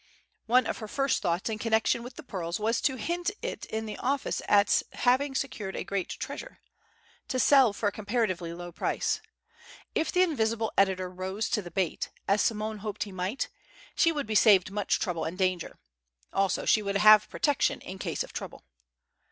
One of her first thoughts in connection with the pearls was to hint in the office at having secured a great treasure, to sell for a comparatively low price. If the invisible editor rose to the bait, as Simone hoped he might, she would be saved much trouble and danger: also she would have protection in case of trouble.